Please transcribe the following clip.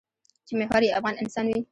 چې محور یې افغان انسان وي.